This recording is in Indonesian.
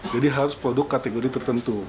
jadi harus produk kategori tertentu